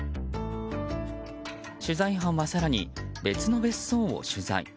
取材班は更に別の別荘を取材。